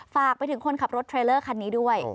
ฝากไปถึงคนขับรถเทรลเลอร์คันนี้ด้วย